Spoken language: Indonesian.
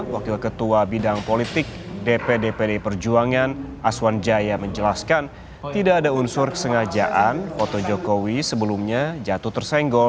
wakil ketua bidang politik dpd pdi perjuangan aswan jaya menjelaskan tidak ada unsur kesengajaan foto jokowi sebelumnya jatuh tersenggol